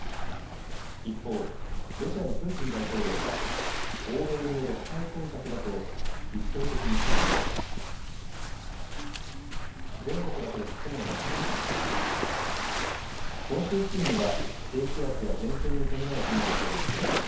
一方、ロシアのプーチン大統領は欧米による破壊工作だと一方的に非難しています。